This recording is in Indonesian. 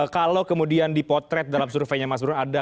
kalau kemudian dipotret dalam surveinya mas buruhan